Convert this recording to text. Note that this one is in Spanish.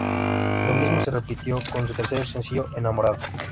Lo mismo se repitió con su tercer sencillo "Enamorada".